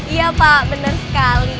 iya pak bener sekali